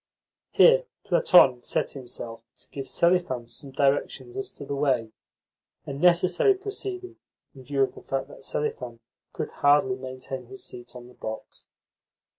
Here Platon set himself to give Selifan some directions as to the way, a necessary proceeding in view of the fact that Selifan could hardly maintain his seat on the box.